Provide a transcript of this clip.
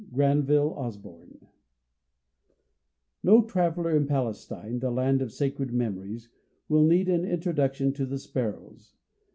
GRANVILLE OSBORNE. No traveler in Palestine, the land of sacred memories, will need an introduction to the sparrows.